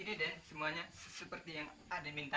ini den semuanya seperti yang adi minta